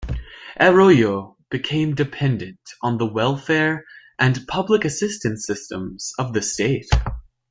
Arroyo became dependent on the welfare and public assistance systems of the state.